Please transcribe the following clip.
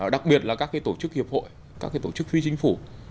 đặc biệt là các cái tổ chức hiệp hội các cái tổ chức huy chính phủ